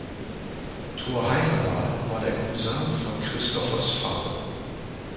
Thor Heyerdahl war der Cousin von Christophers Vater.